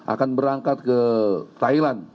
akan berangkat ke thailand